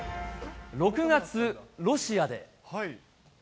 ６月、ロシアで。